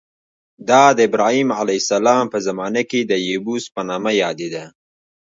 دا د ابراهیم علیه السلام په زمانه کې د یبوس په نوم یادېده.